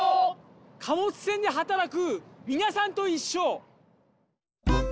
貨物船ではたらくみなさんといっしょ！